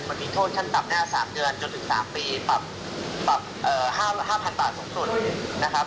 มันมีโทษขั้นต่ำ๓เดือนจนถึง๓ปีปรับ๕๐๐๐บาทสูงสุดนะครับ